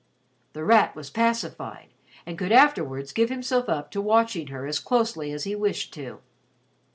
The Rat was pacified and could afterwards give himself up to watching her as closely as he wished to.